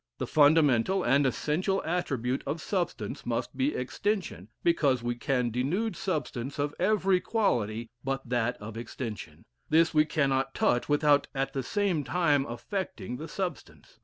The fundamental and essential attribute of substance must be extension, because we can denude substance of every quality but that of extension; this we cannot touch without at the same time affecting the substance..